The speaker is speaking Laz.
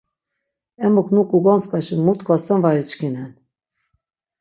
Emuk nunk̆u gontzk̆aşi mu tkvasen var içkinen.